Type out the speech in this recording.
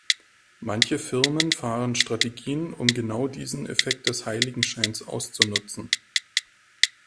Manche Firmen fahren Strategien, um genau diesen Effekt des Heiligenscheins auszunutzen.